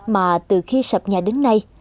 mà từ khi sợp nhà đến nay